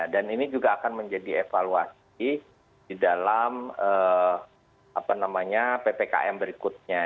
dan ini juga akan menjadi evaluasi di dalam ppkm berikutnya